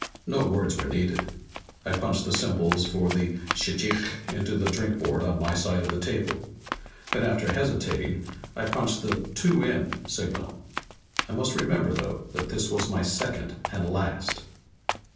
No words were needed: I punched the symbols for shchikh into the drinkboard on my side of the table. Then, after hesitating, I punched the "two in" signal. I must remember, though, that this was my second and last.